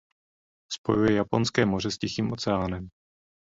Spojuje Japonské moře s Tichým oceánem.